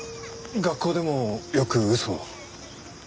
学校でもよく嘘を？